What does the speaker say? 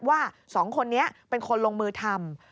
ว่า๒คนนี้เป็นคนลงมือทำ